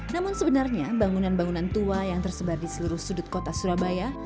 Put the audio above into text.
namun sebenarnya bangunan bangunan tua yang tersebar di seluruh sudut kota surabaya